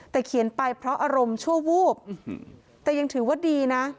แต่เขียนไปเพราะอารมณ์ชั่ววูบแต่ยังถือว่าดีนะ